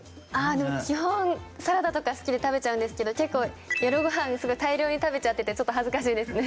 でも基本サラダとか好きで食べちゃうんですけど結構夜ご飯にすごい大量に食べちゃっててちょっと恥ずかしいですね。